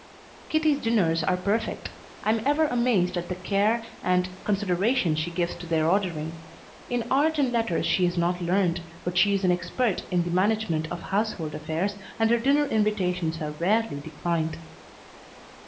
Kitty's dinners are perfect. I am ever amazed at the care and consideration she gives to their ordering. In art and letters she is not learned, but she is an expert in the management of household affairs, and her dinner invitations are rarely declined.